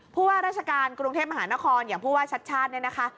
เพราะว่าราชการกรุงเทพมหานครอย่างพูดว่าชัดเนี่ยนะคะ